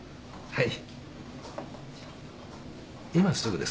はい。